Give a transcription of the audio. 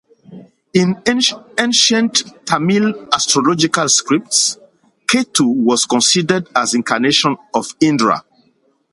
In ancient Tamil astrological scripts, Ketu was considered as incarnation of Indra.